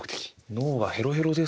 脳がヘロヘロです